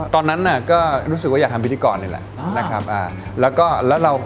ตอนนั้นน่ะก็รู้สึกว่าอยากทำพิธีกรนี่แหละนะครับ